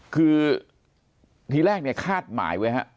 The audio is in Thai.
คือที่แรกคาดหมายไว้ครับ